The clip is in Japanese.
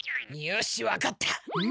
よし分かった！